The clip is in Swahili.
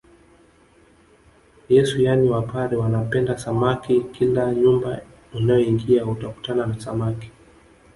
Yesu yaani wapare wanapenda samaki kila nyumba unayoingia utakutana na samaki